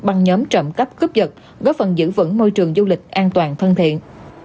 bằng nhóm trầm cấp cướp dật góp phần giữ vững môi trường du lịch an toàn thân thiện